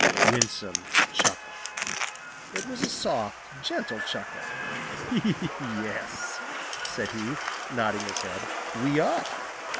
Winsome chuckled. It was a soft, gentle chuckle. "Yes," said he, nodding his head, "we are.